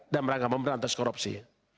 dan merangkap pemerintah atas korupsi